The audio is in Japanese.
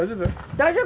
大丈夫。